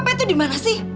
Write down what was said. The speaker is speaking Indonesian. papa itu dimana sih